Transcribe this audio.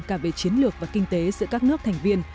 cả về chiến lược và kinh tế giữa các nước thành viên